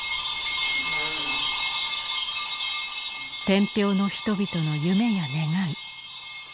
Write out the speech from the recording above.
天平の人々の夢や願い。